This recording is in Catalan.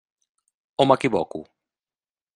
O m'equivoco?